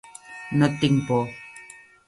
No et tinc por.